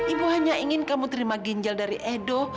ibu hanya ingin kamu terima ginjal dari edo